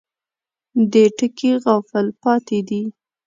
دې ټکي غافل پاتې دي.